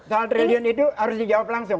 soal triliun itu harus dijawab langsung